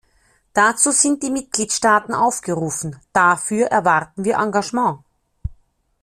Dazu sind die Mitgliedstaaten aufgerufen, dafür erwarten wir Engagement.